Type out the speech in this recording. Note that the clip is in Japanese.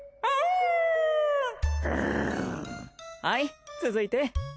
はい続いて。